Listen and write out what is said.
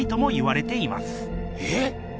えっ？